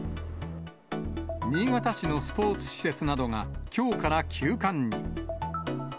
新潟市のスポーツ施設などが、きょうから休館に。